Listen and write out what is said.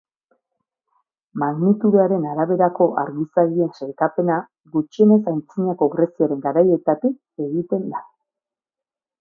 Magnitudearen araberako argizagien sailkapena gutxienez Antzinako Greziaren garaietatik egiten da.